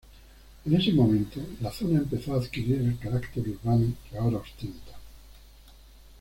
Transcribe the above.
En ese momento la zona empezó a adquirir el carácter urbano que ahora ostenta.